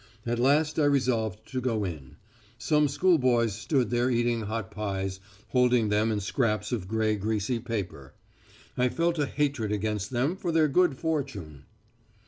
At last I resolved to go in. Some schoolboys stood there eating hot pies, holding them in scraps of grey greasy paper. I felt a hatred against them for their good fortune.